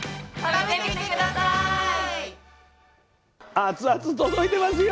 熱々届いてますよ！